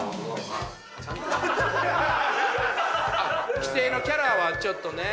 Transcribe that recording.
既製のキャラはちょっとね。